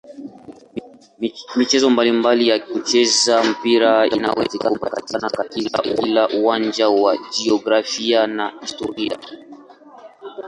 Michezo mbalimbali ya kuchezea mpira inaweza kupatikana katika kila uwanja wa jiografia na historia.